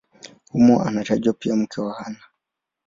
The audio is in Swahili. Humo anatajwa pia mke wake Ana.